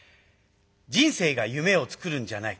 「人生が夢をつくるんじゃない。